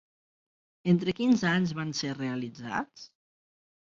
Entre quins anys van ser realitzats?